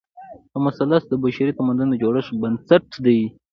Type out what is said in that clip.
دا مثلث د بشري تمدن د جوړښت بنسټ دی.